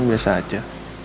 ini biasa aja